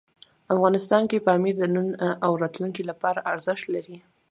افغانستان کې پامیر د نن او راتلونکي لپاره ارزښت لري.